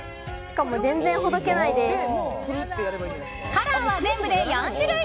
カラーは全部で４種類。